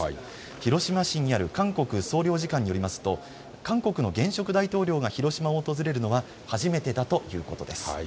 広島市にある韓国総領事館によりますと韓国の現職大統領が広島を訪れるのは初めてだということです。